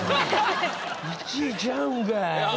１位ちゃうんかい。